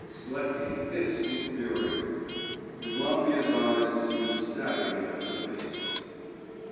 Sletkin hissed with fury; Evlampia's eyes seemed stabbing him in the face.